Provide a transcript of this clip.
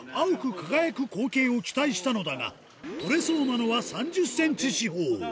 輝く光景を期待したのだが、撮れそうなのは３０センチ四方。